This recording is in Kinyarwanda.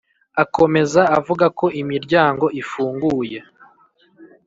Akomeza avuga ko imiryango ifunguye